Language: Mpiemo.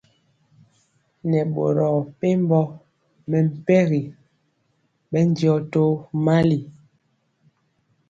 Nɛ boro mepempɔ mɛmpegi bɛndiɔ tomali.